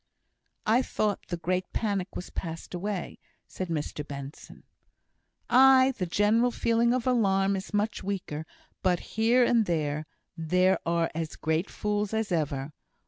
"I thought the great panic was passed away!" said Mr Benson. "Aye! the general feeling of alarm is much weaker; but, here and there, there are as great fools as ever.